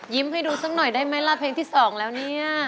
ให้ดูสักหน่อยได้ไหมล่ะเพลงที่๒แล้วเนี่ย